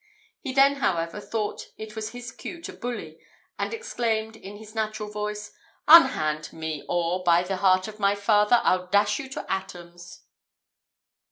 He then, however, thought it was his cue to bully, and exclaimed, in his natural voice, "Unhand me, or, by the heart of my father, I'll dash you to atoms!"